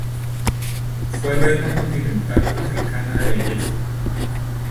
Fue Reina Continental africana de Belleza.